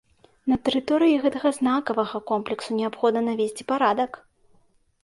На тэрыторыі гэтага знакавага комплексу неабходна навесці парадак.